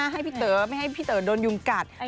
ให้พี่เต๋อไม่ให้พี่เต๋อโดนยุงกัด